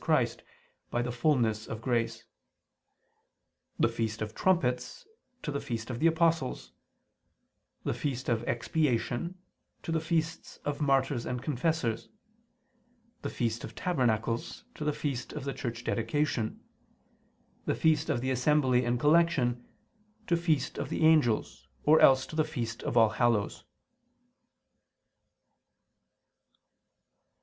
Christ, by the fulness of grace: the feast of Trumpets, to the feasts of the Apostles: the feast of Expiation, to the feasts of Martyrs and Confessors: the feast of Tabernacles, to the feast of the Church Dedication: the feast of the Assembly and Collection, to feast of the Angels, or else to the feast of All Hallows.